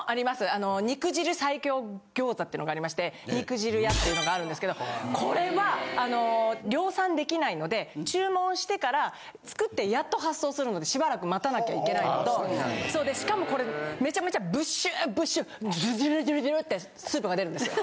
あの肉汁最強餃子っていうのがありまして肉じる屋っていうのがあるんですけどこれは量産できないので注文してから作ってやっと発送するのでしばらく待たなきゃいけないのとしかもこれめちゃめちゃブシューブシュージュルジュルってスープが出るんですよ。